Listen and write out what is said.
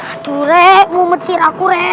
aduh re mau menciri aku re